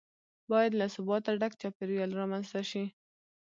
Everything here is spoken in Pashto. باید له ثباته ډک چاپیریال رامنځته شي.